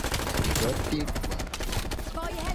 Adidoteduame.